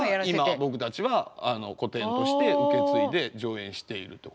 今僕たちは古典として受け継いで上演しているってことなんで。